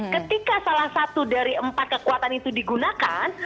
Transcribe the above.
ketika salah satu dari empat kekuatan itu digunakan